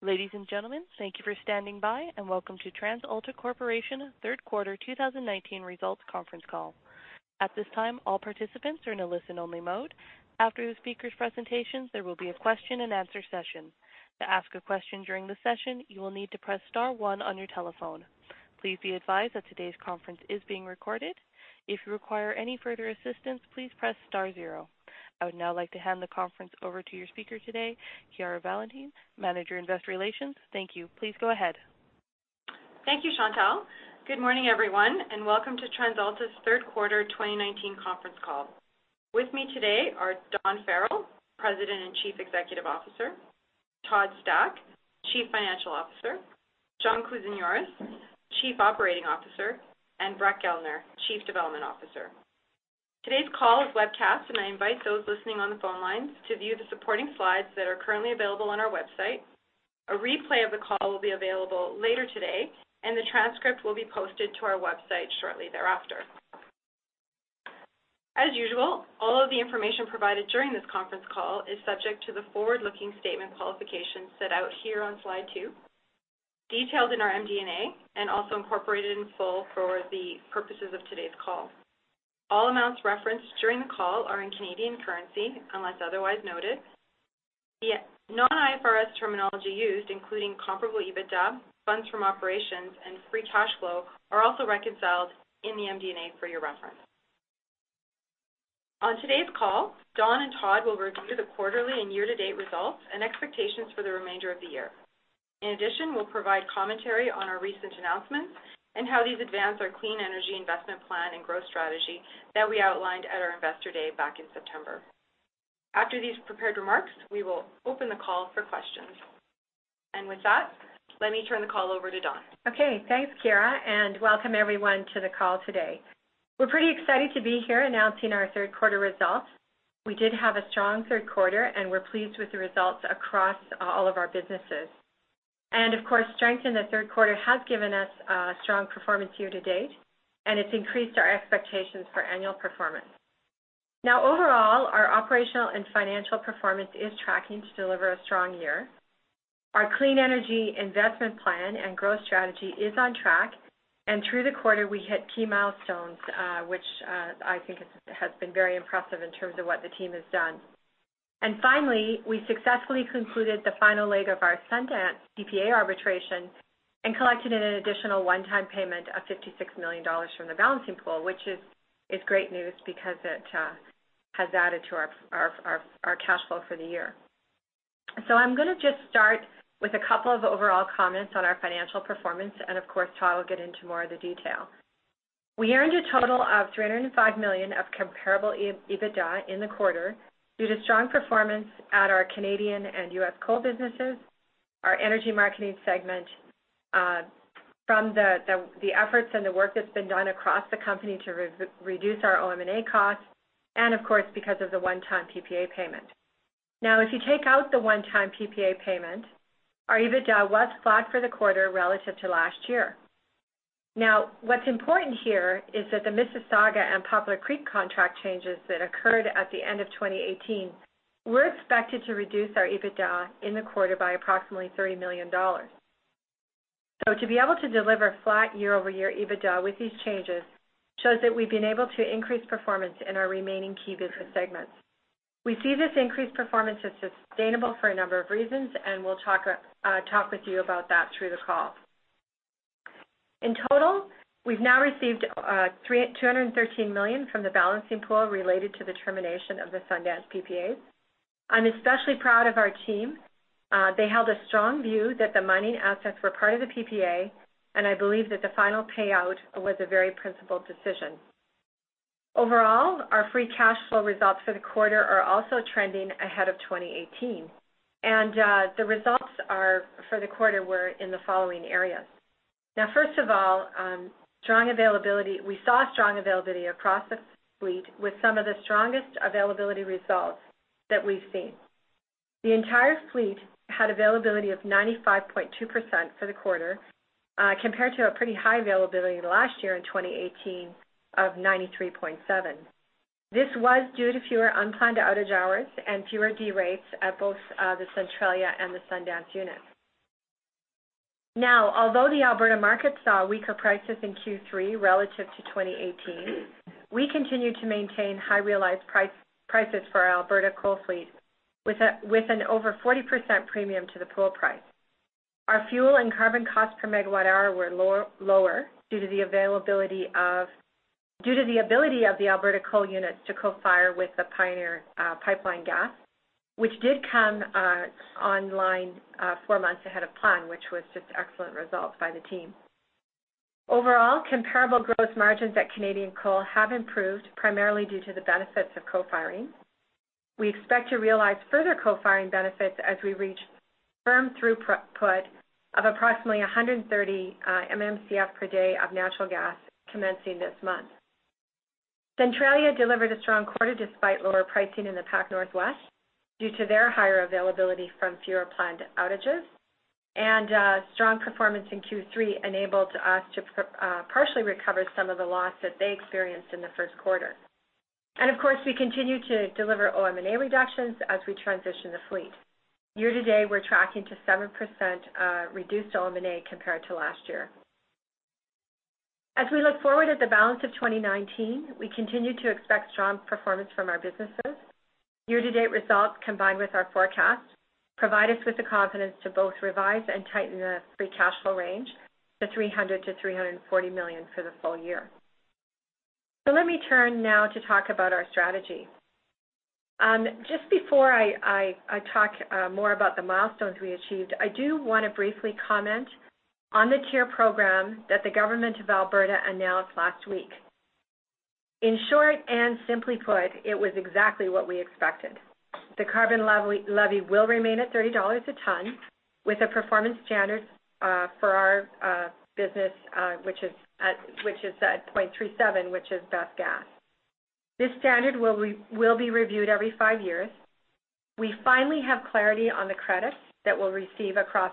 Ladies and gentlemen, thank you for standing by, and welcome to TransAlta Corporation Third Quarter 2019 Results Conference Call. At this time, all participants are in a listen-only mode. After the speakers' presentations, there will be a question and answer session. To ask a question during the session, you will need to press star one on your telephone. Please be advised that today's conference is being recorded. If you require any further assistance, please press star zero. I would now like to hand the conference over to your speaker today, Chiara Valentini, Manager, Investor Relations. Thank you. Please go ahead. Thank you, Chantal. Good morning, everyone, and welcome to TransAlta's Third Quarter 2019 Conference Call. With me today are Dawn Farrell, President and Chief Executive Officer; Todd Stack, Chief Financial Officer; John Kousinioris, Chief Operating Officer; and Brett Gellner, Chief Development Officer. Today's call is webcast, I invite those listening on the phone lines to view the supporting slides that are currently available on our website. A replay of the call will be available later today, the transcript will be posted to our website shortly thereafter. As usual, all of the information provided during this conference call is subject to the forward-looking statement qualifications set out here on slide two, detailed in our MD&A, and also incorporated in full for the purposes of today's call. All amounts referenced during the call are in Canadian currency, unless otherwise noted. The non-IFRS terminology used, including comparable EBITDA, funds from operations, and free cash flow, are also reconciled in the MD&A for your reference. On today's call, Dawn and Todd will review the quarterly and year-to-date results and expectations for the remainder of the year. In addition, we'll provide commentary on our recent announcements and how these advance our clean energy investment plan and growth strategy that we outlined at our Investor Day back in September. After these prepared remarks, we will open the call for questions. With that, let me turn the call over to Dawn. Okay. Thanks, Chiara. Welcome everyone to the call today. We're pretty excited to be here announcing our third quarter results. We did have a strong third quarter, and we're pleased with the results across all of our businesses. Of course, strength in the third quarter has given us a strong performance year-to-date, and it's increased our expectations for annual performance. Now overall, our operational and financial performance is tracking to deliver a strong year. Our clean energy investment plan and growth strategy is on track. Through the quarter, we hit key milestones, which I think has been very impressive in terms of what the team has done. Finally, we successfully concluded the final leg of our Sundance PPA arbitration and collected an additional one-time payment of 56 million dollars from the Balancing Pool, which is great news because it has added to our cash flow for the year. I'm going to just start with a couple of overall comments on our financial performance, and of course, Todd will get into more of the detail. We earned a total of 305 million of comparable EBITDA in the quarter due to strong performance at our Canadian and U.S. coal businesses, our energy marketing segment from the efforts and the work that's been done across the company to reduce our OM&A costs, and of course, because of the one-time PPA payment. If you take out the one-time PPA payment, our EBITDA was flat for the quarter relative to last year. What's important here is that the Mississauga and Poplar Creek contract changes that occurred at the end of 2018 were expected to reduce our EBITDA in the quarter by approximately 30 million dollars. To be able to deliver flat year-over-year EBITDA with these changes shows that we've been able to increase performance in our remaining key business segments. We see this increased performance as sustainable for a number of reasons, and we'll talk with you about that through the call. In total, we've now received 213 million from the Balancing Pool related to the termination of the Sundance PPAs. I'm especially proud of our team. They held a strong view that the mining assets were part of the PPA, and I believe that the final payout was a very principled decision. Overall, our free cash flow results for the quarter are also trending ahead of 2018, and the results for the quarter were in the following areas. First of all, we saw strong availability across the fleet with some of the strongest availability results that we've seen. The entire fleet had availability of 95.2% for the quarter compared to a pretty high availability last year in 2018 of 93.7%. Although the Alberta market saw weaker prices in Q3 relative to 2018, we continued to maintain high realized prices for our Alberta coal fleet with an over 40% premium to the pool price. Our fuel and carbon costs per megawatt hour were lower due to the ability of the Alberta coal units to co-fire with the Pioneer Pipeline gas, which did come online 4 months ahead of plan, which was just excellent results by the team. Overall, comparable gross margins at Canadian Coal have improved, primarily due to the benefits of co-firing. We expect to realize further co-firing benefits as we reach firm throughput of approximately 130 MMcf per day of natural gas commencing this month. Centralia delivered a strong quarter despite lower pricing in the Pac Northwest due to their higher availability from fewer planned outages, and strong performance in Q3 enabled us to partially recover some of the loss that they experienced in the first quarter. Of course, we continue to deliver OM&A reductions as we transition the fleet. Year-to-date, we're tracking to 7% reduced OM&A compared to last year. As we look forward at the balance of 2019, we continue to expect strong performance from our businesses. Year-to-date results, combined with our forecast, provide us with the confidence to both revise and tighten the free cash flow range to 300 million-340 million for the full year. Let me turn now to talk about our strategy. Just before I talk more about the milestones we achieved, I do want to briefly comment on the TIER program that the government of Alberta announced last week. In short and simply put, it was exactly what we expected. The carbon levy will remain at 30 dollars a ton with a performance standard for our business which is at 0.37, which is best gas. This standard will be reviewed every five years. We finally have clarity on the credits that we'll receive across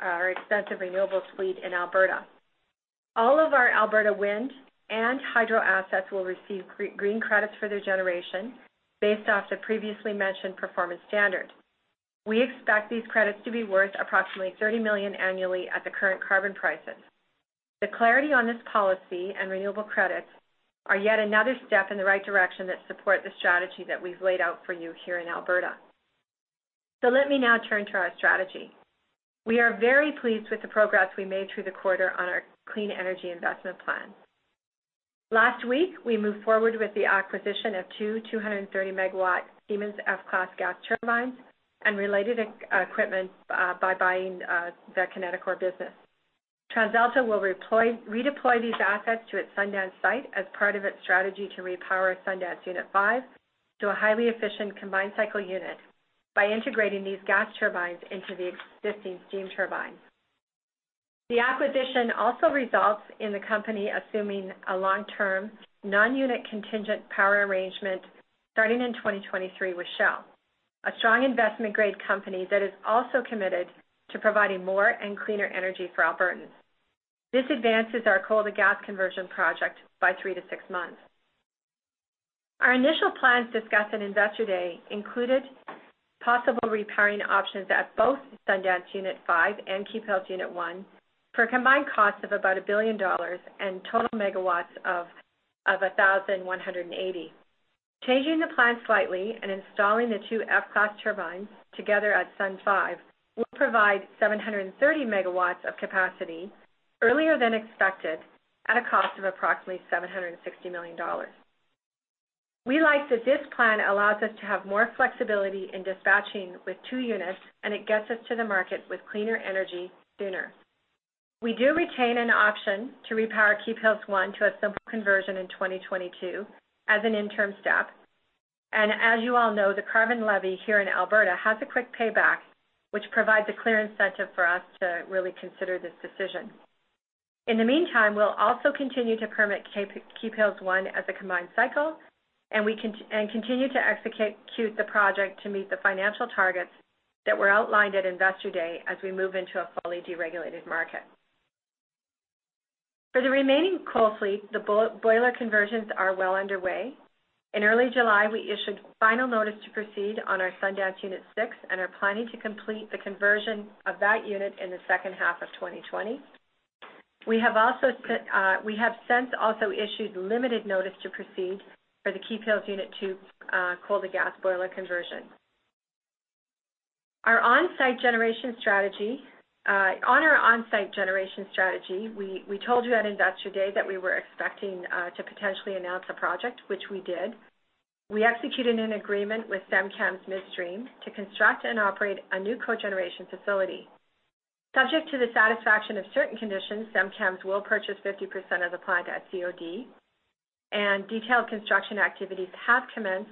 our extensive renewable suite in Alberta. All of our Alberta wind and hydro assets will receive green credits for their generation based off the previously mentioned performance standard. We expect these credits to be worth approximately 30 million annually at the current carbon prices. The clarity on this policy and renewable credits are yet another step in the right direction that support the strategy that we've laid out for you here in Alberta. Let me now turn to our strategy. We are very pleased with the progress we made through the quarter on our clean energy investment plan. Last week, we moved forward with the acquisition of two 230-megawatt Siemens F-Class gas turbines and related equipment by buying the Kineticor business. TransAlta will redeploy these assets to its Sundance site as part of its strategy to repower Sundance Unit 5 to a highly efficient combined cycle unit by integrating these gas turbines into the existing steam turbine. The acquisition also results in the company assuming a long-term, non-unit contingent power arrangement starting in 2023 with Shell, a strong investment-grade company that is also committed to providing more and cleaner energy for Albertans. This advances our coal to gas conversion project by three to six months. Our initial plans discussed at Investor Day included possible repowering options at both Sundance Unit 5 and Keephills Unit 1 for a combined cost of about 1 billion dollars and total megawatts of 1,180. Changing the plan slightly and installing the two F-Class turbines together at Sun 5 will provide 730 megawatts of capacity earlier than expected at a cost of approximately 760 million dollars. We like that this plan allows us to have more flexibility in dispatching with two units, and it gets us to the market with cleaner energy sooner. We do retain an option to repower Keephills 1 to a simple conversion in 2022 as an interim step. As you all know, the carbon levy here in Alberta has a quick payback, which provides a clear incentive for us to really consider this decision. In the meantime, we'll also continue to permit Keephills 1 as a combined cycle and continue to execute the project to meet the financial targets that were outlined at Investor Day as we move into a fully deregulated market. For the remaining coal fleet, the boiler conversions are well underway. In early July, we issued final notice to proceed on our Sundance Unit 6 and are planning to complete the conversion of that unit in the second half of 2020. We have since also issued limited notice to proceed for the Keephills Unit 2 coal to gas boiler conversion. On our on-site generation strategy, we told you at Investor Day that we were expecting to potentially announce a project, which we did. We executed an agreement with SemCAMS Midstream to construct and operate a new cogeneration facility. Subject to the satisfaction of certain conditions, SemCAMS will purchase 50% of the plant at COD. Detailed construction activities have commenced,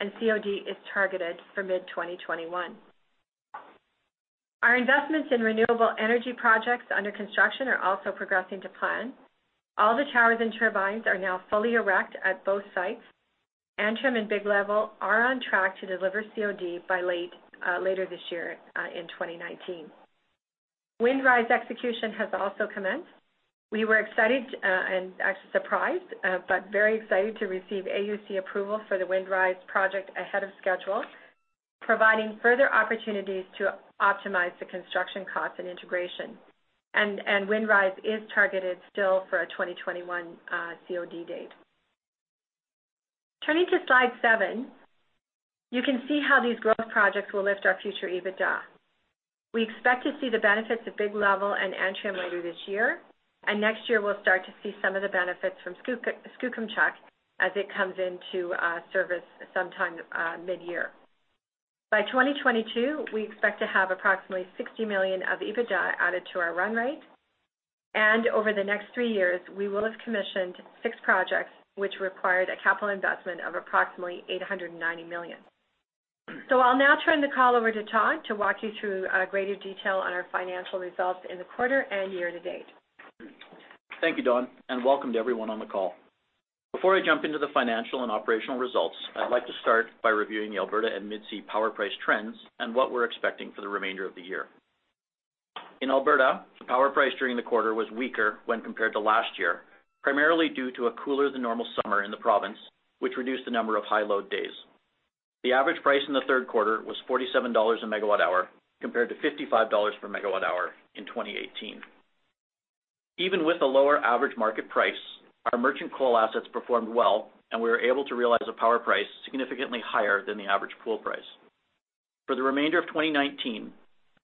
and COD is targeted for mid-2021. Our investments in renewable energy projects under construction are also progressing to plan. All the towers and turbines are now fully erect at both sites. Antrim and Big Level are on track to deliver COD by later this year in 2019. Windrise execution has also commenced. We were excited and actually surprised, but very excited to receive AUC approval for the Windrise project ahead of schedule, providing further opportunities to optimize the construction costs and integration. Windrise is targeted still for a 2021 COD date. Turning to slide seven, you can see how these growth projects will lift our future EBITDA. We expect to see the benefits of Big Level and Antrim later this year, and next year, we'll start to see some of the benefits from Skookumchuck as it comes into service sometime mid-year. By 2022, we expect to have approximately 60 million of EBITDA added to our run rate, and over the next three years, we will have commissioned six projects, which required a capital investment of approximately 890 million. I'll now turn the call over to Todd to walk you through greater detail on our financial results in the quarter and year to date. Thank you, Dawn, and welcome to everyone on the call. Before I jump into the financial and operational results, I'd like to start by reviewing the Alberta and Mid-C power price trends and what we're expecting for the remainder of the year. In Alberta, the power price during the quarter was weaker when compared to last year, primarily due to a cooler than normal summer in the province, which reduced the number of high load days. The average price in the third quarter was 47 dollars a megawatt hour, compared to 55 dollars per megawatt hour in 2018. Even with a lower average market price, our merchant coal assets performed well, and we were able to realize a power price significantly higher than the average pool price. For the remainder of 2019,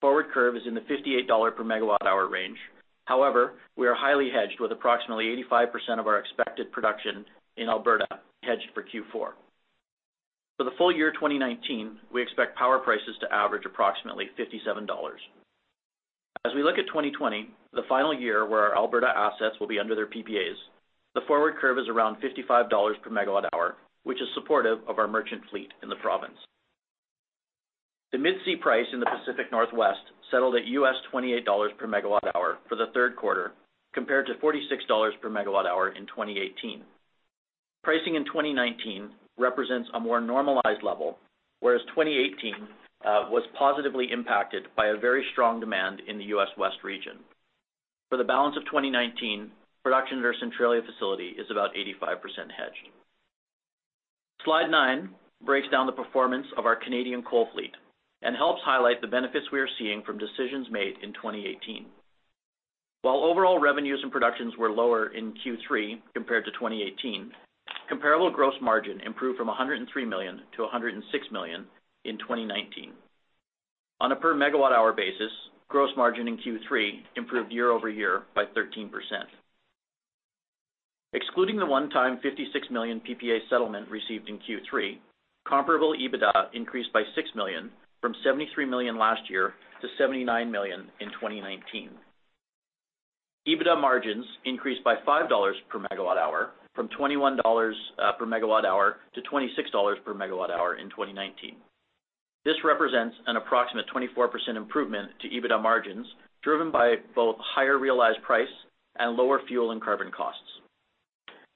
forward curve is in the 58 dollar per megawatt hour range. However, we are highly hedged with approximately 85% of our expected production in Alberta hedged for Q4. For the full year 2019, we expect power prices to average approximately 57 dollars. As we look at 2020, the final year where our Alberta assets will be under their PPAs, the forward curve is around 55 dollars per megawatt hour, which is supportive of our merchant fleet in the province. The mid-C price in the Pacific Northwest settled at US $28 per megawatt hour for the third quarter, compared to 46 dollars per megawatt hour in 2018. Pricing in 2019 represents a more normalized level, whereas 2018 was positively impacted by a very strong demand in the U.S. West region. For the balance of 2019, production at our Centralia facility is about 85% hedged. Slide nine breaks down the performance of our Canadian coal fleet and helps highlight the benefits we are seeing from decisions made in 2018. While overall revenues and productions were lower in Q3 compared to 2018, comparable gross margin improved from 103 million to 106 million in 2019. On a per megawatt hour basis, gross margin in Q3 improved year-over-year by 13%. Excluding the one-time 56 million PPA settlement received in Q3, comparable EBITDA increased by 6 million from 73 million last year to 79 million in 2019. EBITDA margins increased by 5 dollars per megawatt hour from 21 dollars per megawatt hour to 26 dollars per megawatt hour in 2019. This represents an approximate 24% improvement to EBITDA margins, driven by both higher realized price and lower fuel and carbon costs.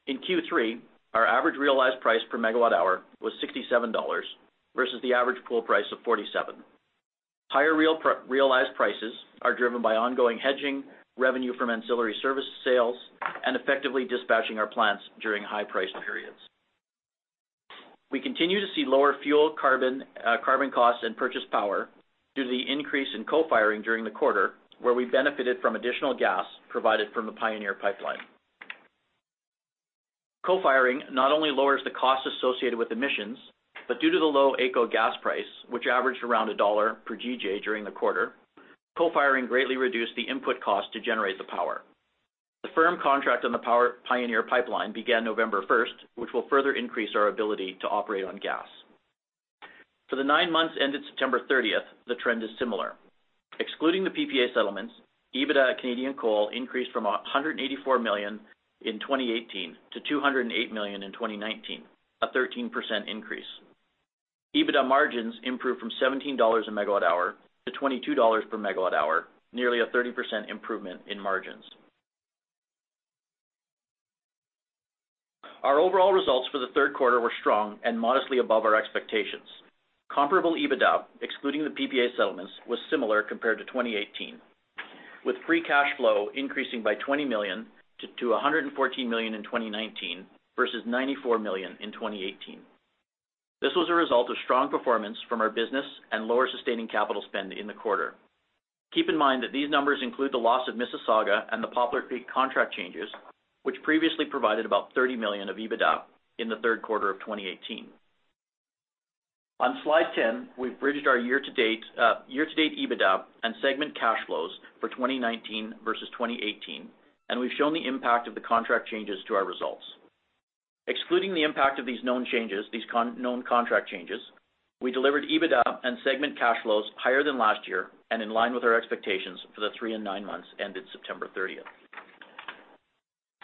In Q3, our average realized price per megawatt hour was 67 dollars versus the average pool price of 47. Higher realized prices are driven by ongoing hedging, revenue from ancillary service sales, and effectively dispatching our plants during high-priced periods. We continue to see lower fuel carbon costs and purchase power due to the increase in co-firing during the quarter, where we benefited from additional gas provided from the Pioneer Pipeline. Co-firing not only lowers the cost associated with emissions, but due to the low AECO gas price, which averaged around CAD 1 per GJ during the quarter, co-firing greatly reduced the input cost to generate the power. The firm contract on the Pioneer Pipeline began November first, which will further increase our ability to operate on gas. For the nine months ended September 30th, the trend is similar. Excluding the PPA settlements, EBITDA Canadian coal increased from 184 million in 2018 to 208 million in 2019, a 13% increase. EBITDA margins improved from 17 dollars a megawatt hour to 22 dollars per megawatt hour, nearly a 30% improvement in margins. Our overall results for the third quarter were strong and modestly above our expectations. Comparable EBITDA, excluding the PPA settlements, was similar compared to 2018, with free cash flow increasing by 20 million to 114 million in 2019 versus 94 million in 2018. This was a result of strong performance from our business and lower sustaining capital spend in the quarter. Keep in mind that these numbers include the loss of Mississauga and the Poplar Creek contract changes, which previously provided about 30 million of EBITDA in the third quarter of 2018. On slide 10, we've bridged our year-to-date EBITDA and segment cash flows for 2019 versus 2018, we've shown the impact of the contract changes to our results. Excluding the impact of these known contract changes, we delivered EBITDA and segment cash flows higher than last year and in line with our expectations for the three and nine months ended September 30th.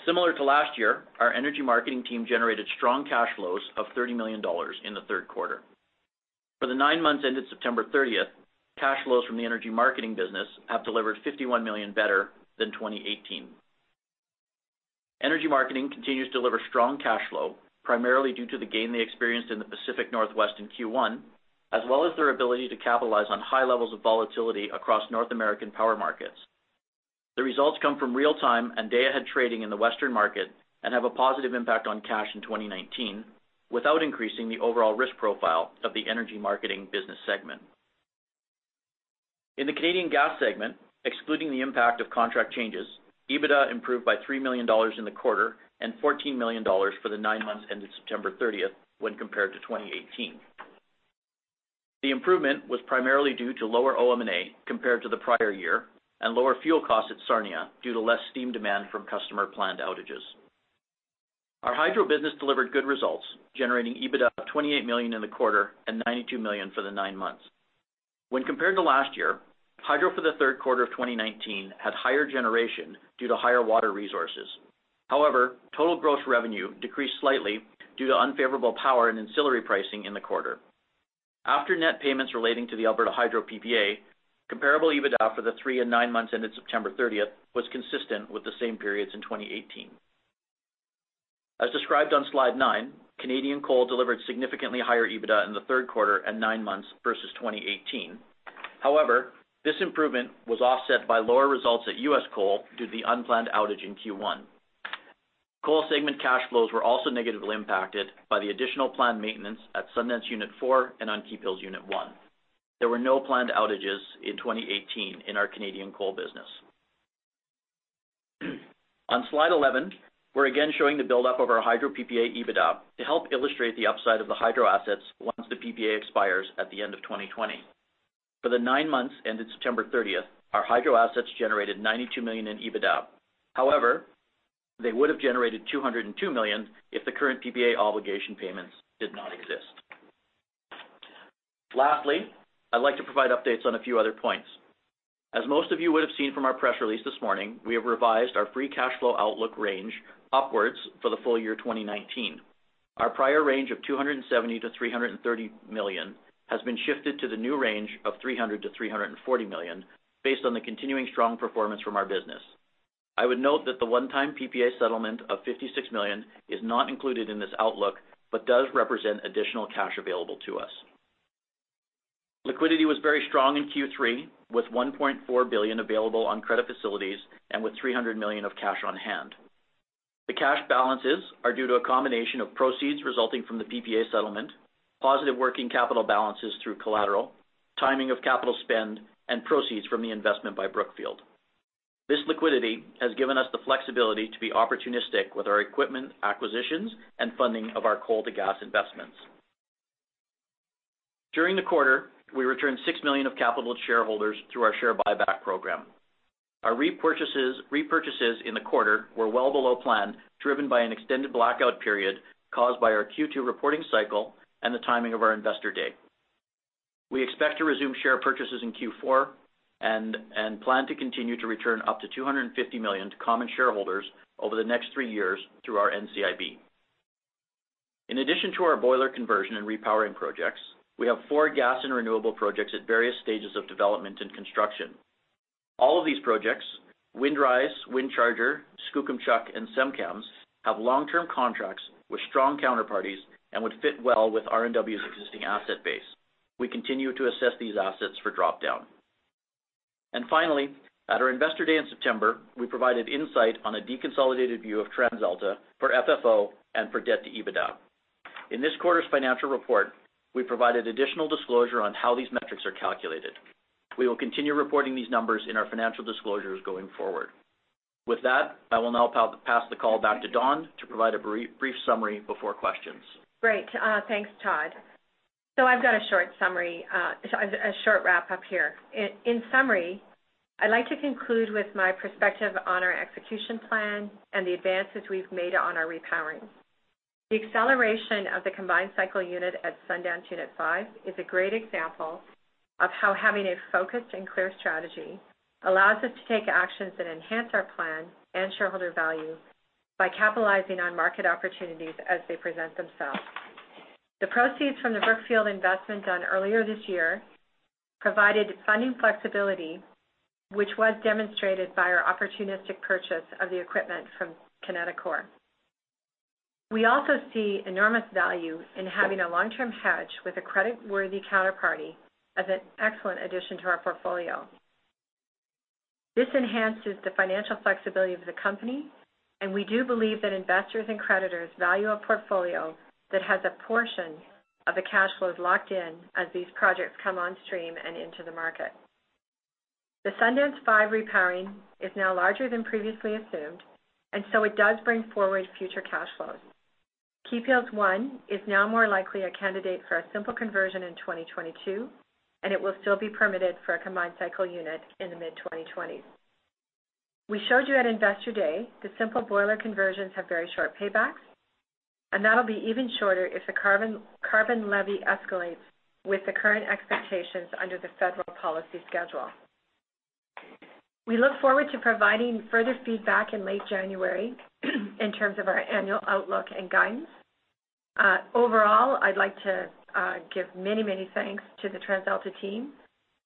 Similar to last year, our energy marketing team generated strong cash flows of 30 million dollars in the third quarter. For the nine months ended September 30th, cash flows from the energy marketing business have delivered 51 million better than 2018. Energy marketing continues to deliver strong cash flow, primarily due to the gain they experienced in the Pacific Northwest in Q1, as well as their ability to capitalize on high levels of volatility across North American power markets. The results come from real time and day ahead trading in the Western market and have a positive impact on cash in 2019 without increasing the overall risk profile of the energy marketing business segment. In the Canadian gas segment, excluding the impact of contract changes, EBITDA improved by 3 million dollars in the quarter and 14 million dollars for the nine months ended September 30th when compared to 2018. The improvement was primarily due to lower OM&A compared to the prior year and lower fuel costs at Sarnia due to less steam demand from customer planned outages. Our hydro business delivered good results, generating EBITDA of 28 million in the quarter and 92 million for the nine months. When compared to last year, hydro for the third quarter of 2019 had higher generation due to higher water resources. However, total gross revenue decreased slightly due to unfavorable power and ancillary pricing in the quarter. After net payments relating to the Alberta Hydro PPA, comparable EBITDA for the three and nine months ended September 30th was consistent with the same periods in 2018. As described on slide nine, Canadian Coal delivered significantly higher EBITDA in the third quarter and nine months versus 2018. This improvement was offset by lower results at U.S. Coal due to the unplanned outage in Q1. Coal segment cash flows were also negatively impacted by the additional planned maintenance at Sundance Unit 4 and on Keephills Unit 1. There were no planned outages in 2018 in our Canadian coal business. On slide 11, we're again showing the buildup of our hydro PPA EBITDA to help illustrate the upside of the hydro assets once the PPA expires at the end of 2020. For the nine months ended September 30th, our hydro assets generated 92 million in EBITDA. They would have generated 202 million if the current PPA obligation payments did not exist. I'd like to provide updates on a few other points. Most of you would have seen from our press release this morning, we have revised our free cash flow outlook range upwards for the full year 2019. Our prior range of 270 million-330 million has been shifted to the new range of 300 million-340 million based on the continuing strong performance from our business. I would note that the one-time PPA settlement of 56 million is not included in this outlook, but does represent additional cash available to us. Liquidity was very strong in Q3, with 1.4 billion available on credit facilities and with 300 million of cash on hand. The cash balances are due to a combination of proceeds resulting from the PPA settlement, positive working capital balances through collateral, timing of capital spend, and proceeds from the investment by Brookfield. This liquidity has given us the flexibility to be opportunistic with our equipment acquisitions and funding of our coal to gas investments. During the quarter, we returned 6 million of capital to shareholders through our share buyback program. Our repurchases in the quarter were well below plan, driven by an extended blackout period caused by our Q2 reporting cycle and the timing of our Investor Day. We expect to resume share purchases in Q4 and plan to continue to return up to 250 million to common shareholders over the next three years through our NCIB. In addition to our boiler conversion and repowering projects, we have four gas and renewable projects at various stages of development and construction. All of these projects, Windrise, Windcharger, Skookumchuck, and SemCAMS, have long-term contracts with strong counterparties and would fit well with RNW's existing asset base. We continue to assess these assets for drop-down. Finally, at our Investor Day in September, we provided insight on a deconsolidated view of TransAlta for FFO and for debt to EBITDA. In this quarter's financial report, we provided additional disclosure on how these metrics are calculated. We will continue reporting these numbers in our financial disclosures going forward. With that, I will now pass the call back to Dawn to provide a brief summary before questions. Great. Thanks, Todd. I've got a short summary, a short wrap-up here. In summary, I'd like to conclude with my perspective on our execution plan and the advances we've made on our repowering. The acceleration of the combined cycle unit at Sundance Unit 5 is a great example of how having a focused and clear strategy allows us to take actions that enhance our plan and shareholder value by capitalizing on market opportunities as they present themselves. The proceeds from the Brookfield investment done earlier this year provided funding flexibility, which was demonstrated by our opportunistic purchase of the equipment from Kineticor. We also see enormous value in having a long-term hedge with a creditworthy counterparty as an excellent addition to our portfolio. This enhances the financial flexibility of the company, and we do believe that investors and creditors value a portfolio that has a portion of the cash flows locked in as these projects come on stream and into the market. The Sundance 5 repowering is now larger than previously assumed, and so it does bring forward future cash flows. Keephills 1 is now more likely a candidate for a simple conversion in 2022, and it will still be permitted for a combined cycle unit in the mid-2020s. We showed you at Investor Day that simple boiler conversions have very short paybacks, and that'll be even shorter if the carbon levy escalates with the current expectations under the federal policy schedule. We look forward to providing further feedback in late January in terms of our annual outlook and guidance. Overall, I'd like to give many, many thanks to the TransAlta team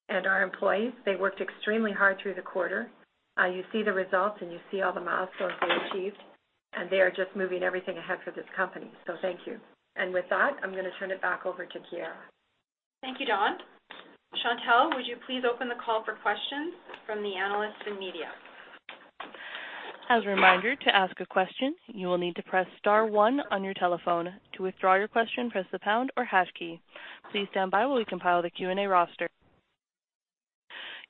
and our employees. They worked extremely hard through the quarter. You see the results, and you see all the milestones they achieved, and they are just moving everything ahead for this company. Thank you. With that, I'm going to turn it back over to Chiara. Thank you, Dawn. Chantelle, would you please open the call for questions from the analysts and media? As a reminder, to ask a question, you will need to press star 1 on your telephone. To withdraw your question, press the pound or hash key. Please stand by while we compile the Q&A roster.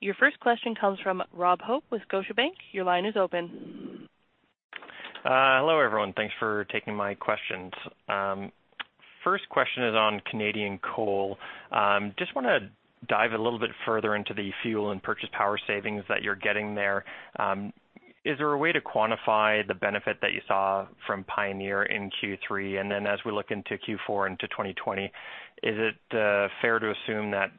Your first question comes from Rob Hope with Scotiabank. Your line is open. Hello, everyone. Thanks for taking my questions. First question is on Canadian Coal. Just want to dive a little bit further into the fuel and purchase power savings that you're getting there. Is there a way to quantify the benefit that you saw from Pioneer in Q3? As we look into Q4 and to 2020, is it fair to assume that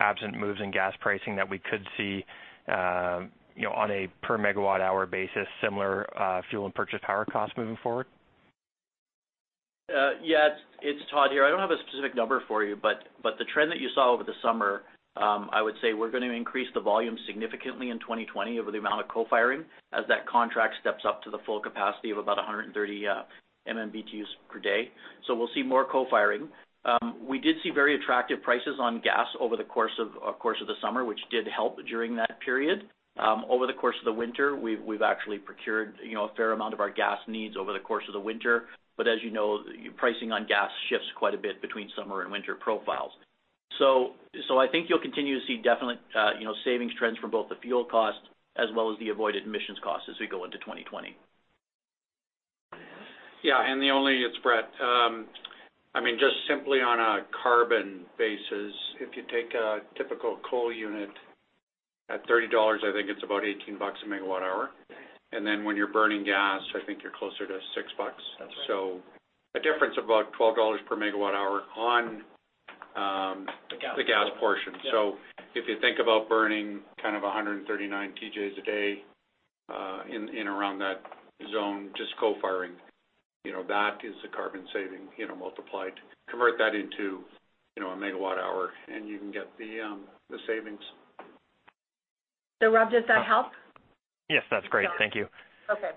absent moves in gas pricing that we could see, on a per megawatt hour basis, similar fuel and purchase power costs moving forward? It's Todd here. I don't have a specific number for you, the trend that you saw over the summer, I would say we're going to increase the volume significantly in 2020 over the amount of co-firing as that contract steps up to the full capacity of about 130 MMBtus per day. We'll see more co-firing. We did see very attractive prices on gas over the course of the summer, which did help during that period. Over the course of the winter, we've actually procured a fair amount of our gas needs over the course of the winter, as you know, pricing on gas shifts quite a bit between summer and winter profiles. I think you'll continue to see definite savings trends from both the fuel cost as well as the avoided emissions cost as we go into 2020. Yeah, it's Brett. Just simply on a carbon basis, if you take a typical coal unit at 30 dollars, I think it's about 18 bucks a megawatt hour. When you're burning gas, I think you're closer to CAD six. That's right. A difference of about 12 dollars per megawatt hour. The gas portion. the gas portion. Yeah. If you think about burning 139 TJs a day in around that zone, just co-firing, that is the carbon saving, multiplied. Convert that into a megawatt hour and you can get the savings. Rob, does that help? Yes, that's great. Thank you. Okay.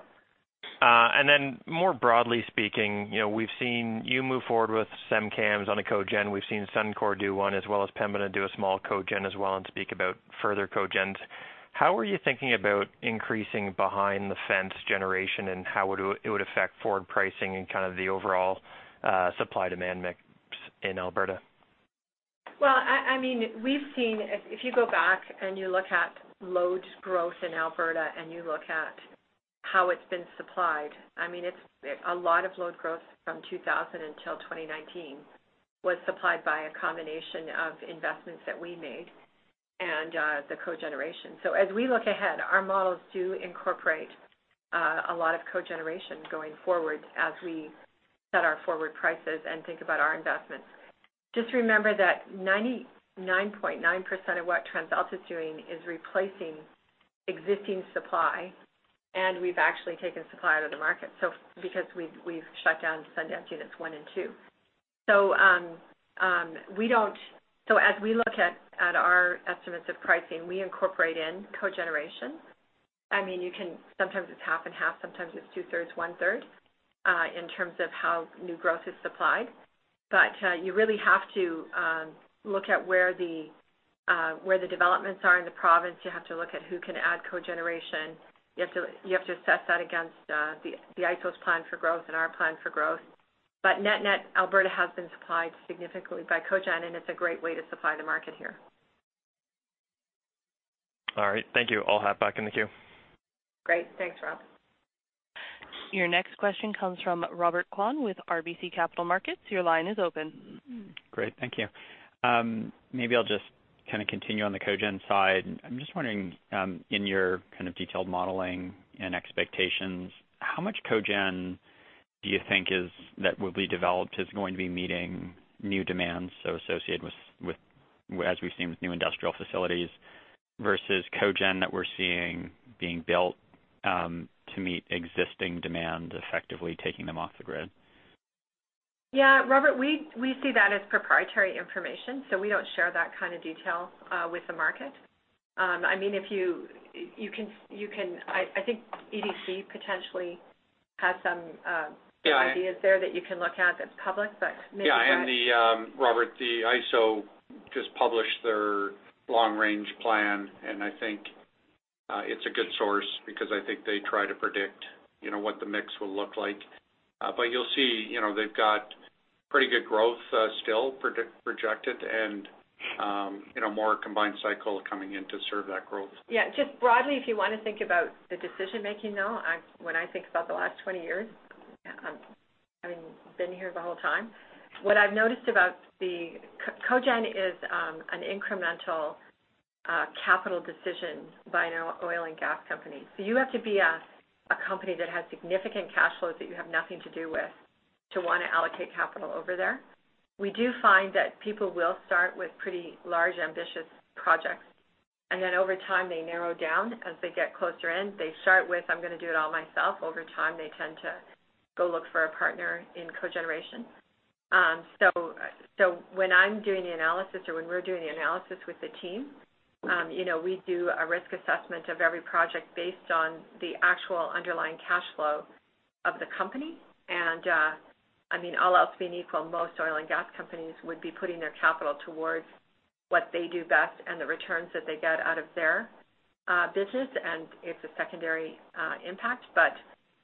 More broadly speaking, we've seen you move forward with SemCAMS on a cogen. We've seen Suncor do one, as well as Pembina do a small cogen as well and speak about further cogens. How are you thinking about increasing behind-the-fence generation, and how it would affect forward pricing and kind of the overall supply-demand mix in Alberta? Well, we've seen, if you go back and you look at load growth in Alberta, and you look at how it's been supplied, a lot of load growth from 2000 until 2019 was supplied by a combination of investments that we made and the cogeneration. As we look ahead, our models do incorporate a lot of cogeneration going forward as we set our forward prices and think about our investments. Just remember that 99.9% of what TransAlta's doing is replacing existing supply, and we've actually taken supply out of the market, because we've shut down Sundance units one and two. As we look at our estimates of pricing, we incorporate in cogeneration. Sometimes it's half and half, sometimes it's two-thirds, one-third, in terms of how new growth is supplied. You really have to look at where the developments are in the province. You have to look at who can add cogeneration. You have to assess that against the AESO's plan for growth and our plan for growth. Net-net, Alberta has been supplied significantly by cogen, and it's a great way to supply the market here. All right, thank you. I'll hop back in the queue. Great. Thanks, Rob. Your next question comes from Robert Kwan with RBC Capital Markets. Your line is open. Great. Thank you. Maybe I'll just continue on the cogen side. I'm just wondering, in your kind of detailed modeling and expectations, how much cogen do you think that will be developed, is going to be meeting new demands so associated with, as we've seen with new industrial facilities, versus cogen that we're seeing being built to meet existing demand, effectively taking them off the grid? Yeah, Robert, we see that as proprietary information, so we don't share that kind of detail with the market. I think AESO potentially has. Yeah ideas there that you can look at that's public, but maybe Brett? Yeah. Robert, the AESO just published their long-range plan, and I think it's a good source because I think they try to predict what the mix will look like. You'll see they've got pretty good growth still projected, and more combined cycle coming in to serve that growth. Yeah. Just broadly, if you want to think about the decision-making, though, when I think about the last 20 years, having been here the whole time, what I've noticed about the Cogen is an incremental capital decision by an oil and gas company. You have to be a company that has significant cash flows that you have nothing to do with to want to allocate capital over there. We do find that people will start with pretty large, ambitious projects, and then over time, they narrow down as they get closer in. They start with, "I'm going to do it all myself." Over time, they tend to go look for a partner in cogeneration. When I'm doing the analysis or when we're doing the analysis with the team, we do a risk assessment of every project based on the actual underlying cash flow of the company. All else being equal, most oil and gas companies would be putting their capital towards what they do best and the returns that they get out of their business, and it's a secondary impact.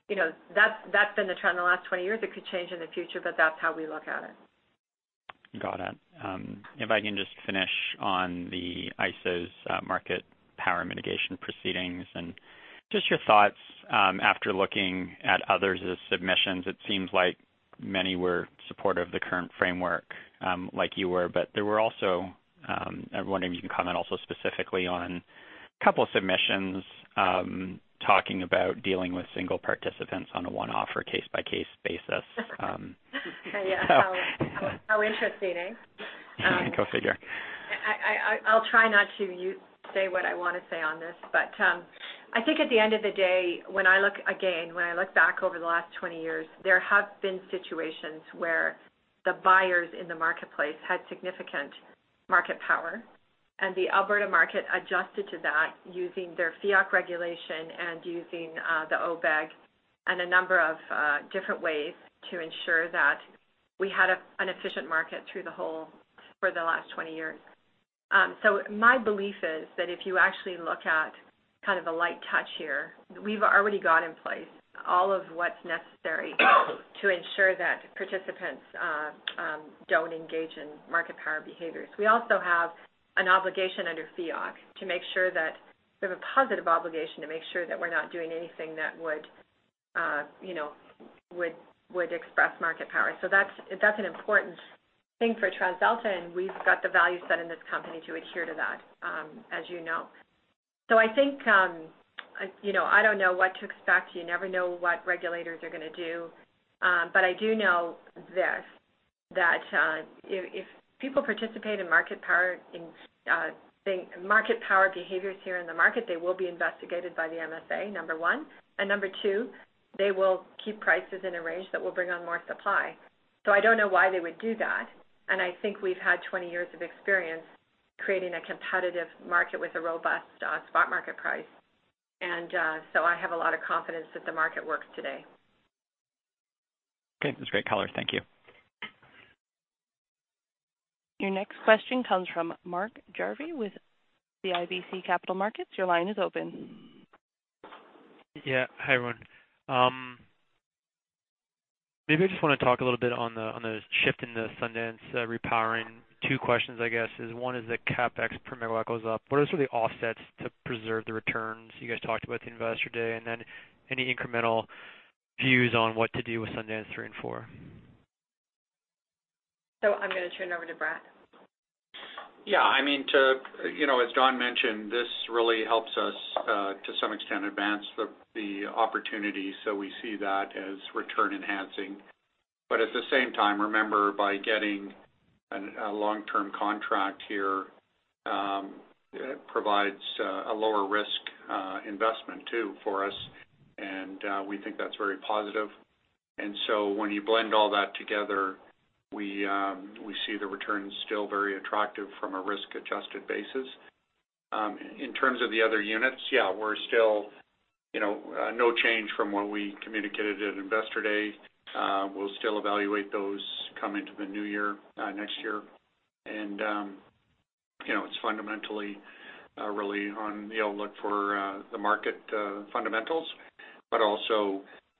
That's been the trend the last 20 years. It could change in the future, that's how we look at it. Got it. If I can just finish on the AESO's market power mitigation proceedings and just your thoughts after looking at others' submissions. It seems like many were supportive of the current framework, like you were, but there were also I wonder if you can comment also specifically on a couple of submissions talking about dealing with single participants on a one-offer, case-by-case basis. How interesting, eh? Go figure. I'll try not to say what I want to say on this, I think at the end of the day, again, when I look back over the last 20 years, there have been situations where the buyers in the marketplace had significant market power. The Alberta market adjusted to that using their FEOC regulation and using the FEOC and a number of different ways to ensure that we had an efficient market through the whole, for the last 20 years. My belief is that if you actually look at kind of a light touch here, we've already got in place all of what's necessary to ensure that participants don't engage in market power behaviors. We also have an obligation under FEOC, we have a positive obligation, to make sure that we're not doing anything that would express market power. That's an important thing for TransAlta, and we've got the value set in this company to adhere to that, as you know. I don't know what to expect. You never know what regulators are going to do. I do know this, that if people participate in market power behaviors here in the market, they will be investigated by the MSA, number one. Number two, they will keep prices in a range that will bring on more supply. I don't know why they would do that, and I think we've had 20 years of experience creating a competitive market with a robust spot market price. I have a lot of confidence that the market works today. Okay. That's great color. Thank you. Your next question comes from Mark Jarvi with CIBC Capital Markets. Your line is open. Yeah. Hi, everyone. I just want to talk a little bit on the shift in the Sundance repowering. Two questions, one is the CapEx per meg goes up. What are sort of the offsets to preserve the returns you guys talked about at the Investor Day? Any incremental views on what to do with Sundance three and four? I'm going to turn it over to Brett. Yeah. As Dawn mentioned, this really helps us, to some extent, advance the opportunity, so we see that as return enhancing. At the same time, remember, by getting a long-term contract here, it provides a lower risk investment too for us, and we think that's very positive. When you blend all that together, we see the returns still very attractive from a risk-adjusted basis. In terms of the other units, yeah, we're still no change from what we communicated at Investor Day. We'll still evaluate those come into the new year, next year. It's fundamentally really on the outlook for the market fundamentals.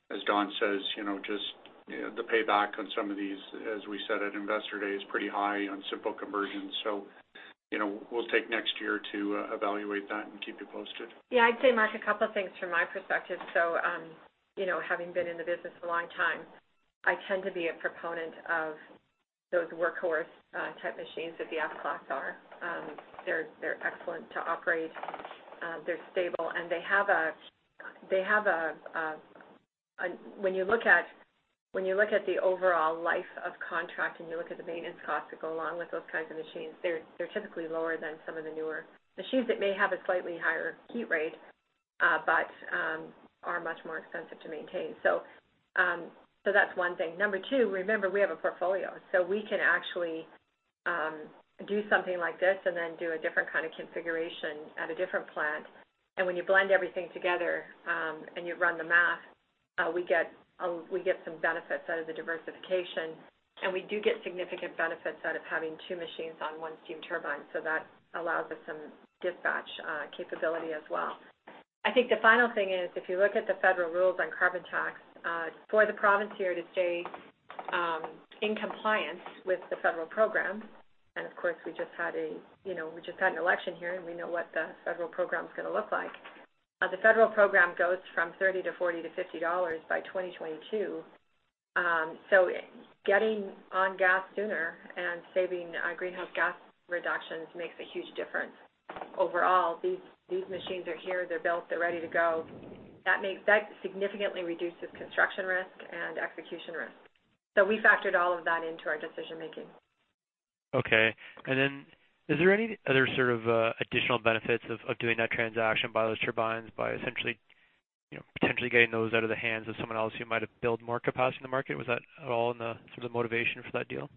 As Dawn says, just the payback on some of these, as we said at Investor Day, is pretty high on simple conversions. We'll take next year to evaluate that and keep you posted. I'd say, Mark, a couple of things from my perspective. Having been in the business a long time, I tend to be a proponent of those workhorse-type machines that the F-Class are. They're excellent to operate, they're stable, and when you look at the overall life of contract and you look at the maintenance costs that go along with those kinds of machines, they're typically lower than some of the newer machines that may have a slightly higher heat rate, but are much more expensive to maintain. That's one thing. Number two, remember, we have a portfolio, so we can actually do something like this and then do a different kind of configuration at a different plant. When you blend everything together, and you run the math, we get some benefits out of the diversification, and we do get significant benefits out of having two machines on one steam turbine. That allows us some dispatch capability as well. I think the final thing is, if you look at the federal rules on carbon tax, for the province here to stay in compliance with the federal program, and of course, we just had an election here, and we know what the federal program's going to look like. The federal program goes from 30 to 40 to 50 dollars by 2022. Getting on gas sooner and saving greenhouse gas reductions makes a huge difference overall. These machines are here, they're built, they're ready to go. That significantly reduces construction risk and execution risk. We factored all of that into our decision-making. Okay. Is there any other sort of additional benefits of doing that transaction, buy those turbines by essentially, potentially getting those out of the hands of someone else who might have built more capacity in the market? Was that at all in the sort of motivation for that deal?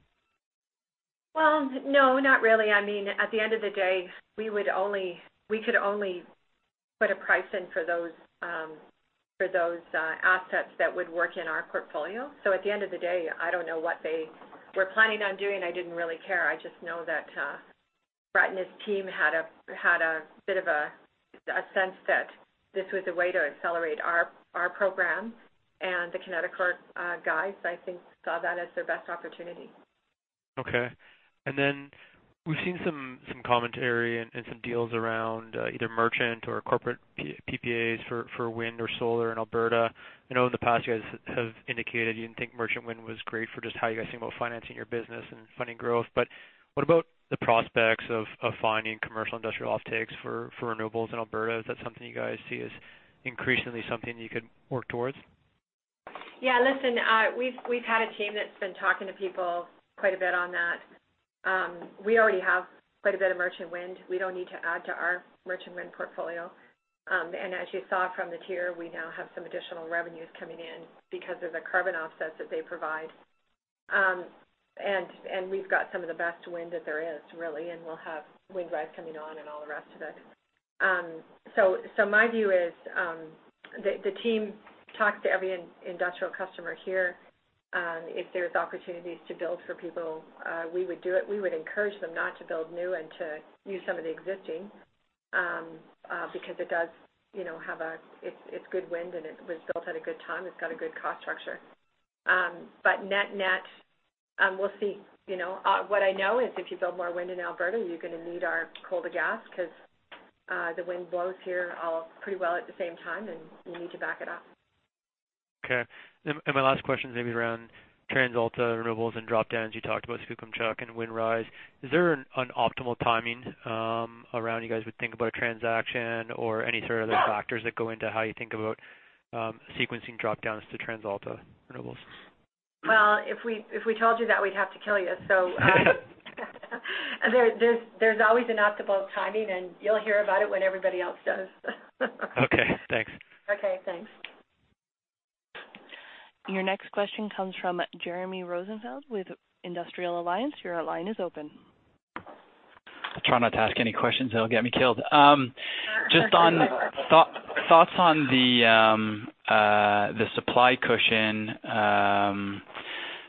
Well, no, not really. At the end of the day, we could only put a price in for those assets that would work in our portfolio. At the end of the day, I don't know what they were planning on doing. I didn't really care. I just know that Brad and his team had a bit of a sense that this was a way to accelerate our program. The Kineticor guys, I think, saw that as their best opportunity. Okay. Then we've seen some commentary and some deals around either merchant or corporate PPAs for wind or solar in Alberta. I know in the past you guys have indicated you didn't think merchant wind was great for just how you guys think about financing your business and funding growth. What about the prospects of finding commercial industrial offtakes for renewables in Alberta? Is that something you guys see as increasingly something you could work towards? Yeah, listen, we've had a team that's been talking to people quite a bit on that. We already have quite a bit of merchant wind. We don't need to add to our merchant wind portfolio. As you saw from the TIER, we now have some additional revenues coming in because of the carbon offsets that they provide. We've got some of the best wind that there is, really, and we'll have Windrise coming on and all the rest of it. My view is, the team talks to every industrial customer here. If there's opportunities to build for people, we would do it. We would encourage them not to build new and to use some of the existing, because it's good wind, and it was built at a good time. It's got a good cost structure. Net-net, we'll see. What I know is if you build more wind in Alberta, you're going to need our coal to gas, because the wind blows here all pretty well at the same time, and you need to back it up. Okay. My last question is maybe around TransAlta Renewables and drop-downs. You talked about Skookumchuck and Windrise. Is there an optimal timing around you guys would think about a transaction or any sort of other factors that go into how you think about sequencing drop-downs to TransAlta Renewables? Well, if we told you that, we'd have to kill you, so. There's always an optimal timing, and you'll hear about it when everybody else does. Okay, thanks. Okay, thanks. Your next question comes from Jeremy Rosenfield with Industrial Alliance. Your line is open. I'll try not to ask any questions that'll get me killed. Just on thoughts on the supply cushion.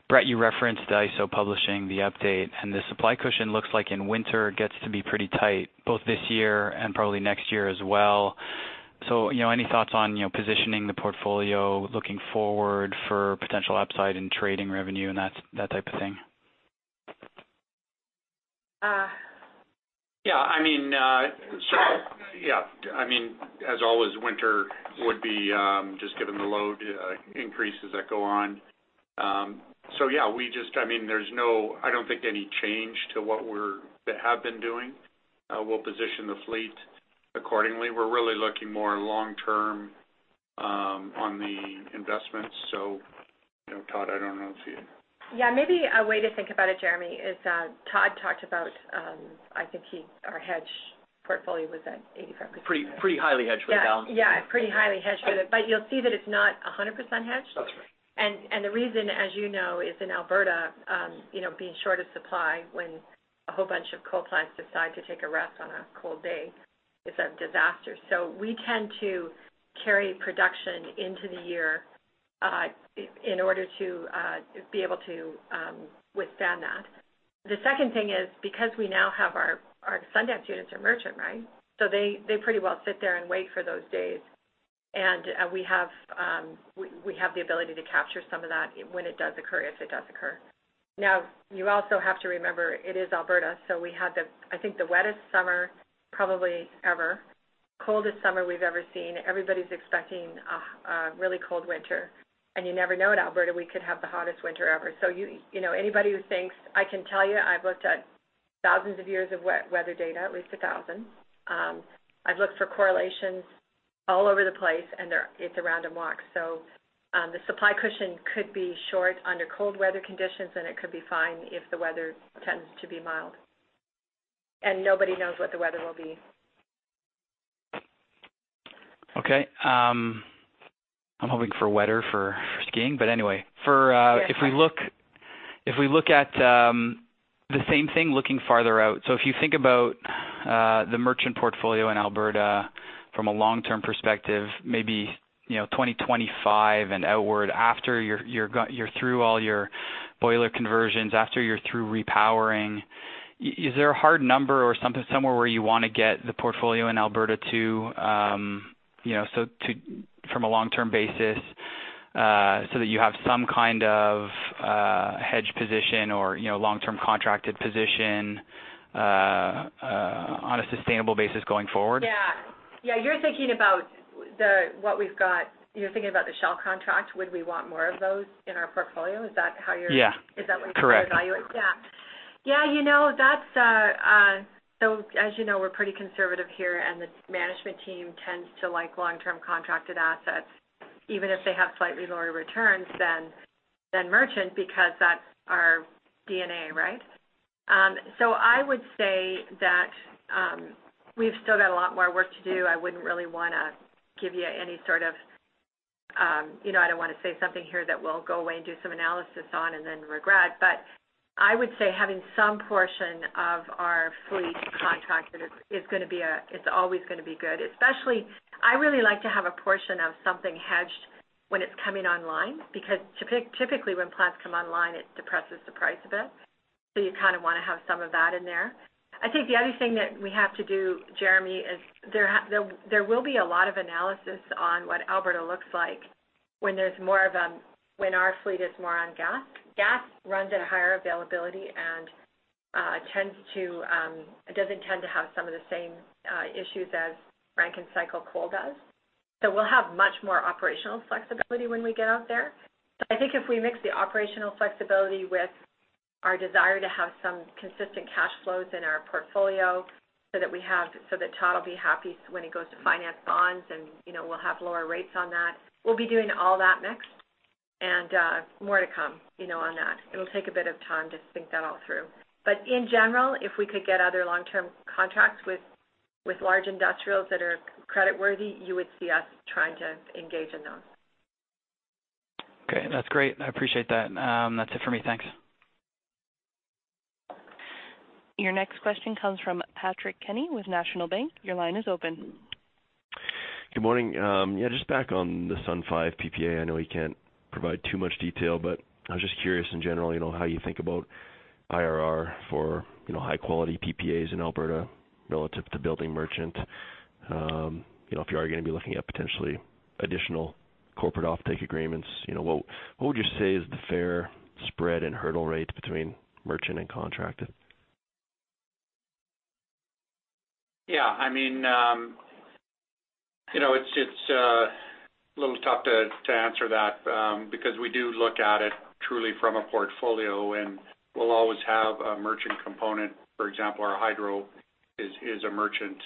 Brett, you referenced the AESO publishing the update. The supply cushion looks like in winter it gets to be pretty tight, both this year and probably next year as well. Any thoughts on positioning the portfolio, looking forward for potential upside in trading revenue and that type of thing? Yeah. As always, winter would be, just given the load increases that go on. Yeah, there's no, I don't think, any change to what we have been doing. We'll position the fleet accordingly. We're really looking more long-term on the investments. Todd, I don't know if you Maybe a way to think about it, Jeremy, is Todd talked about, I think our hedge portfolio was at 85%. Pretty highly hedged, we've found. Yeah, pretty highly hedged. You'll see that it's not 100% hedged. That's right. The reason, as you know, is in Alberta, being short of supply when a whole bunch of coal plants decide to take a rest on a cold day is a disaster. We tend to carry production into the year in order to be able to withstand that. The second thing is, because we now have our Sundance units are merchant, right? They pretty well sit there and wait for those days. We have the ability to capture some of that when it does occur, if it does occur. You also have to remember, it is Alberta, so we had, I think, the wettest summer probably ever, coldest summer we've ever seen. Everybody's expecting a really cold winter. You never know in Alberta, we could have the hottest winter ever. I can tell you, I've looked at thousands of years of weather data, at least a thousand. I've looked for correlations all over the place, and it's a random walk. The supply cushion could be short under cold weather conditions, and it could be fine if the weather tends to be mild. Nobody knows what the weather will be. Okay. I'm hoping for wetter for skiing. Anyway, if we look at the same thing looking farther out. If you think about the merchant portfolio in Alberta from a long-term perspective, maybe 2025 and outward after you're through all your boiler conversions, after you're through repowering. Is there a hard number or somewhere where you want to get the portfolio in Alberta to from a long-term basis so that you have some kind of hedge position or long-term contracted position on a sustainable basis going forward? Yeah. You're thinking about the Shell contract, would we want more of those in our portfolio? Yeah trying to evaluate? Correct. As you know, we're pretty conservative here, and the management team tends to like long-term contracted assets, even if they have slightly lower returns than merchant, because that's our DNA. I would say that we've still got a lot more work to do. I don't want to say something here that we'll go away and do some analysis on and then regret. I would say having some portion of our fleet contracted is always going to be good. Especially, I really like to have a portion of something hedged when it's coming online, because typically when plants come online, it depresses the price a bit. You kind of want to have some of that in there. I think the other thing that we have to do, Jeremy, is there will be a lot of analysis on what Alberta looks like when our fleet is more on gas. Gas runs at a higher availability and it doesn't tend to have some of the same issues as Rankine cycle coal does. We'll have much more operational flexibility when we get out there. I think if we mix the operational flexibility with our desire to have some consistent cash flows in our portfolio so that Todd will be happy when he goes to finance bonds and we'll have lower rates on that. We'll be doing all that next, more to come on that. It'll take a bit of time to think that all through. In general, if we could get other long-term contracts with large industrials that are creditworthy, you would see us trying to engage in those. Okay. That's great. I appreciate that. That's it for me. Thanks. Your next question comes from Patrick Kenny with National Bank. Your line is open. Good morning. Just back on the Sun 5 PPA, I know you can't provide too much detail, but I was just curious in general, how you think about IRR for high-quality PPAs in Alberta relative to building merchant. If you are going to be looking at potentially additional corporate offtake agreements, what would you say is the fair spread and hurdle rate between merchant and contracted? Yeah. It's a little tough to answer that because we do look at it truly from a portfolio, and we'll always have a merchant component. For example, our hydro is a merchant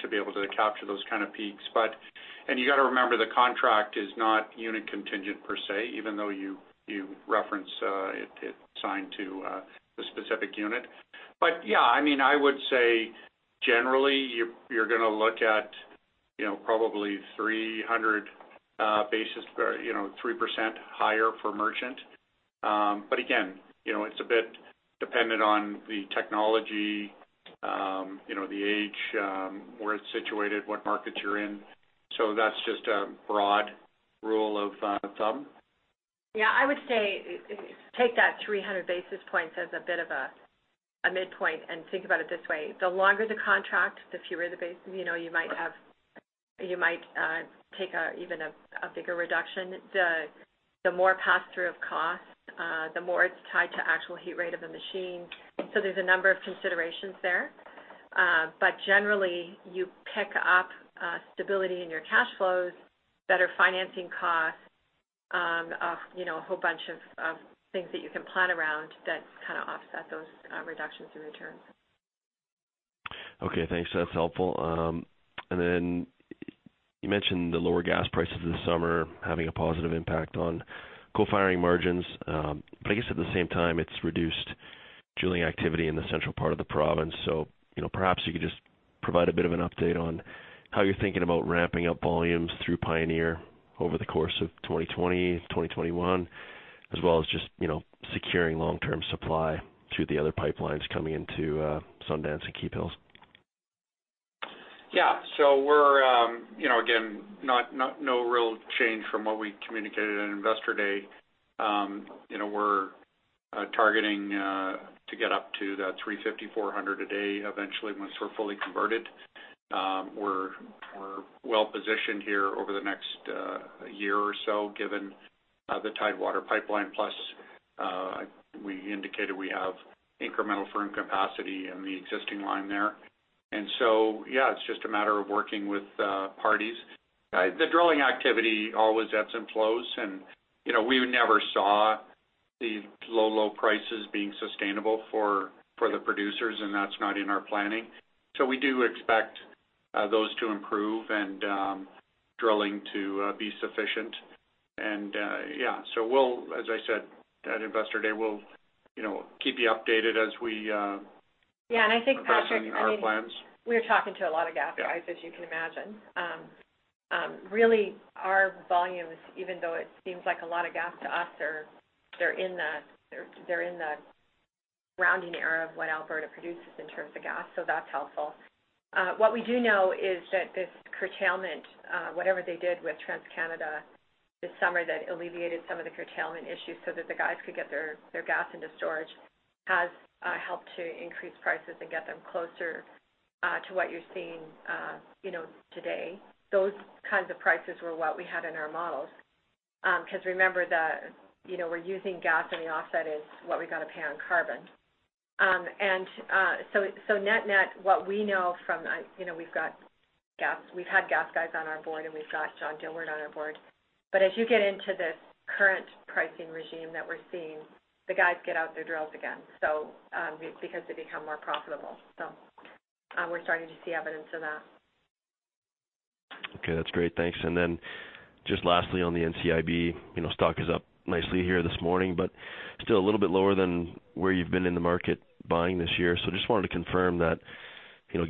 to be able to capture those kind of peaks. You got to remember the contract is not unit contingent per se, even though you reference it signed to a specific unit. Yeah, I would say generally, you're going to look at probably 300 basis, 3% higher for merchant. Again, it's a bit dependent on the technology, the age, where it's situated, what markets you're in. That's just a broad rule of thumb. Yeah, I would say, take that 300 basis points as a bit of a midpoint and think about it this way. The longer the contract, you might take even a bigger reduction. The more pass-through of cost, the more it's tied to actual heat rate of a machine. There's a number of considerations there. Generally, you pick up stability in your cash flows, better financing costs, a whole bunch of things that you can plan around that kind of offset those reductions in return. Okay, thanks. That's helpful. Then you mentioned the lower gas prices this summer having a positive impact on co-firing margins. I guess at the same time, it's reduced drilling activity in the central part of the province. Perhaps you could just provide a bit of an update on how you're thinking about ramping up volumes through Pioneer over the course of 2020, 2021, as well as just securing long-term supply through the other pipelines coming into Sundance and Keephills? Yeah. We're, again, no real change from what we communicated on Investor Day. We're targeting to get up to that 350, 400 a day eventually once we're fully converted. We're well-positioned here over the next year or so given the Tidewater pipeline, plus we indicated we have incremental firm capacity in the existing line there. Yeah, it's just a matter of working with parties. The drilling activity always ebbs and flows, and we never saw these low, low prices being sustainable for the producers, and that's not in our planning. We do expect those to improve and drilling to be sufficient. Yeah. We'll, as I said at Investor Day, we'll keep you updated. Yeah, I think, Patrick. progressing our plans. we are talking to a lot of gas guys. Yeah as you can imagine. Really, our volumes, even though it seems like a lot of gas to us, they're in the rounding error of what Alberta produces in terms of gas. That's helpful. What we do know is that this curtailment, whatever they did with TransCanada this summer that alleviated some of the curtailment issues so that the guys could get their gas into storage, has helped to increase prices and get them closer to what you're seeing today. Those kinds of prices were what we had in our models. Remember, we're using gas, and the offset is what we've got to pay on carbon. Net-net, what we know from-- we've had gas guys on our board, and we've got John Dielwart on our board. As you get into this current pricing regime that we're seeing, the guys get out their drills again. Because they become more profitable. We're starting to see evidence of that. Okay. That's great. Thanks. Then just lastly on the NCIB, stock is up nicely here this morning, but still a little bit lower than where you've been in the market buying this year. Just wanted to confirm that,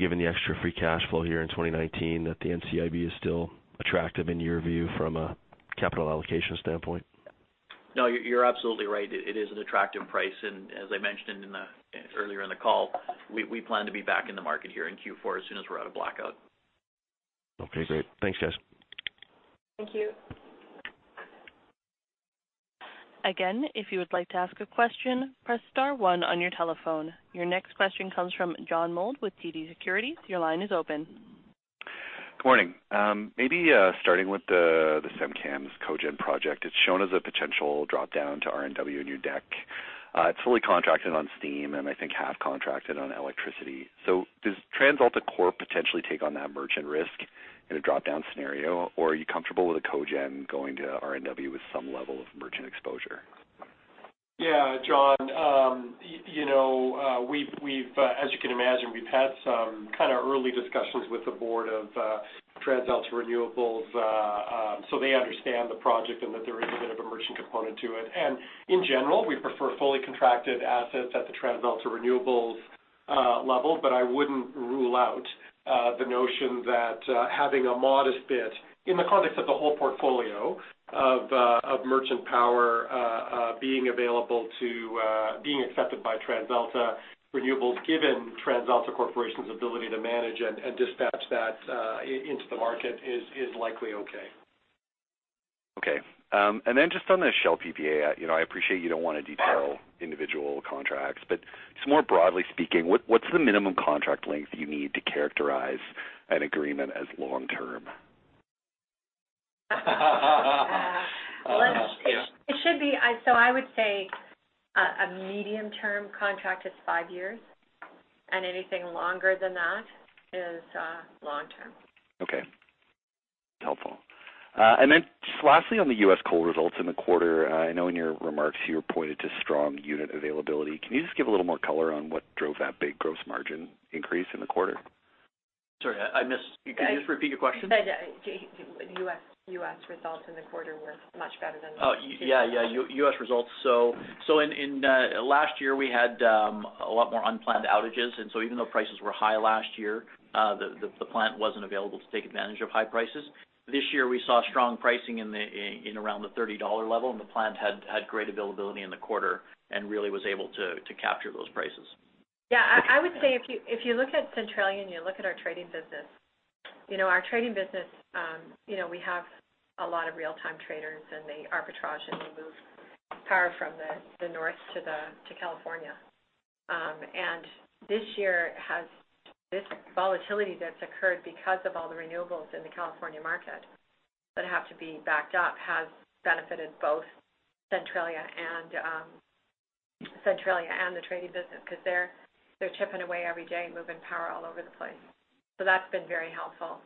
given the extra free cash flow here in 2019, that the NCIB is still attractive in your view from a capital allocation standpoint. No, you're absolutely right. It is an attractive price. As I mentioned earlier in the call, we plan to be back in the market here in Q4 as soon as we're out of blackout. Okay, great. Thanks, guys. Thank you. Again, if you would like to ask a question, press star one on your telephone. Your next question comes from John Mould with TD Securities. Your line is open. Good morning. Maybe starting with the SemCAMS cogen project. It's shown as a potential drop-down to RNW in your deck. It's fully contracted on steam and I think half contracted on electricity. Does TransAlta Corp potentially take on that merchant risk in a drop-down scenario, or are you comfortable with a cogen going to RNW with some level of merchant exposure? Yeah, John. As you can imagine, we've had some kind of early discussions with the board of TransAlta Renewables, so they understand the project and that there is a bit of a merchant component to it. In general, we prefer fully contracted assets at the TransAlta Renewables level. I wouldn't rule out the notion that having a modest bit, in the context of the whole portfolio of merchant power being accepted by TransAlta Renewables, given TransAlta Corporation's ability to manage and dispatch that into the market, is likely okay. Okay. Just on the Shell PPA. I appreciate you don't want to detail individual contracts, but just more broadly speaking, what's the minimum contract length that you need to characterize an agreement as long-term? I would say a medium-term contract is five years, and anything longer than that is long-term. Okay. Helpful. Just lastly on the U.S. coal results in the quarter. I know in your remarks you pointed to strong unit availability. Can you just give a little more color on what drove that big gross margin increase in the quarter? Sorry, I missed. Can you just repeat your question? U.S. results in the quarter were much better than. Yeah. U.S. results. Last year, we had a lot more unplanned outages. Even though prices were high last year, the plant wasn't available to take advantage of high prices. This year, we saw strong pricing in around the $30 level, the plant had great availability in the quarter and really was able to capture those prices. Yeah, I would say if you look at Centralia and you look at our trading business. Our trading business, we have a lot of real-time traders, they arbitrage, they move power from the north to California. This year has this volatility that's occurred because of all the renewables in the California market that have to be backed up, has benefited both Centralia and the trading business because they're chipping away every day and moving power all over the place. That's been very helpful.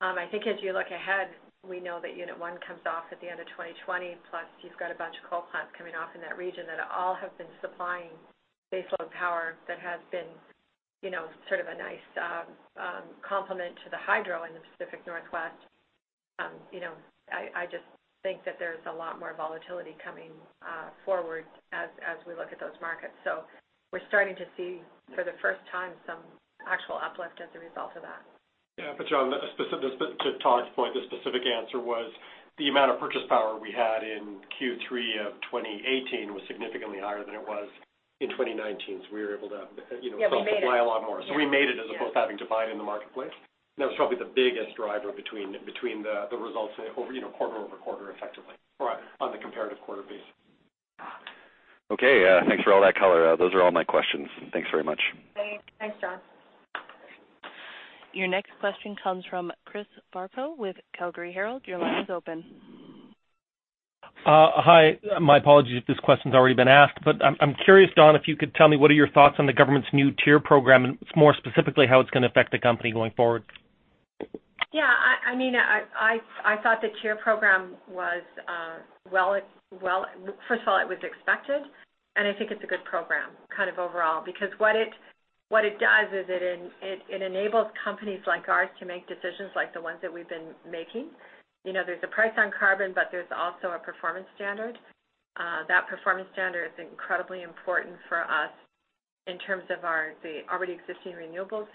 I think as you look ahead, we know that Unit 1 comes off at the end of 2020. You've got a bunch of coal plants coming off in that region that all have been supplying baseload power that has been sort of a nice complement to the hydro in the Pacific Northwest. I just think that there's a lot more volatility coming forward as we look at those markets. We're starting to see, for the first time, some actual uplift as a result of that. Yeah. John, to Todd's point, the specific answer was the amount of purchase power we had in Q3 of 2018 was significantly higher than it was in 2019. Yeah, we made it supply a lot more. We made it as opposed to having to buy it in the marketplace. That was probably the biggest driver between the results quarter-over-quarter, effectively, or on the comparative quarter basis. Okay. Thanks for all that color. Those are all my questions. Thanks very much. Thanks. Thanks, John. Your next question comes from Chris Barfoot with Calgary Herald. Your line is open. Hi. My apologies if this question's already been asked, I'm curious, Dawn, if you could tell me what are your thoughts on the government's new TIER program, and more specifically, how it's going to affect the company going forward? Yeah. I thought the TIER program was, first of all, it was expected, and I think it's a good program kind of overall. What it does is it enables companies like ours to make decisions like the ones that we've been making. There's a price on carbon, but there's also a performance standard. That performance standard is incredibly important for us in terms of the already existing renewables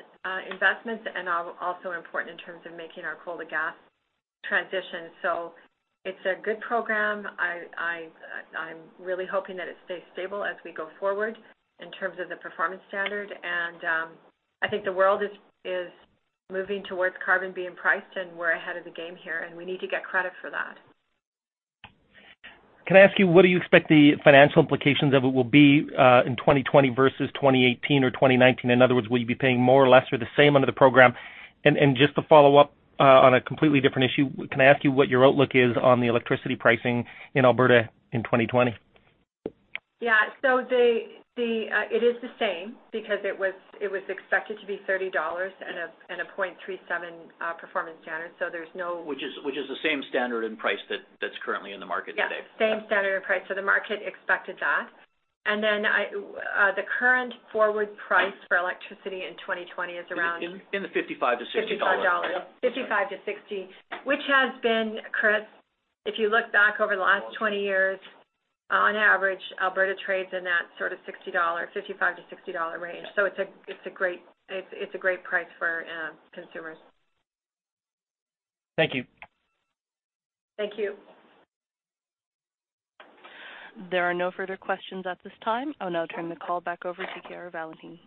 investments and also important in terms of making our coal-to-gas transition. It's a good program. I'm really hoping that it stays stable as we go forward in terms of the performance standard. I think the world is moving towards carbon being priced, and we're ahead of the game here, and we need to get credit for that. Can I ask you, what do you expect the financial implications of it will be in 2020 versus 2018 or 2019? In other words, will you be paying more or less or the same under the program? Just to follow up on a completely different issue, can I ask you what your outlook is on the electricity pricing in Alberta in 2020? Yeah. It is the same because it was expected to be 30 dollars and a 0.37 performance standard. Which is the same standard and price that is currently in the market today. Yeah. Same standard and price. The market expected that. The current forward price for electricity in 2020 is around. In the 55 to $60 55 to 60, which has been, Chris, if you look back over the last 20 years, on average, Alberta trades in that sort of 55-60 dollar range. It's a great price for consumers. Thank you. Thank you. There are no further questions at this time. I'll now turn the call back over to Chiara Valentini.